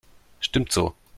Stimmt so.